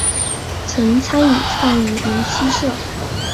曾参与创立弥洒社。